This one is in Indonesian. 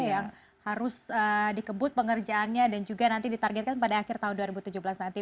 yang harus dikebut pengerjaannya dan juga nanti ditargetkan pada akhir tahun dua ribu tujuh belas nanti